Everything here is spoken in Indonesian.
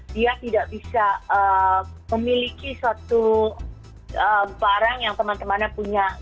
dia tidak bisa memiliki suatu barang yang teman temannya punya